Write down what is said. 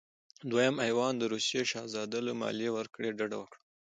دویم ایوان د روسیې شهزاده له مالیې ورکړې ډډه وکړه.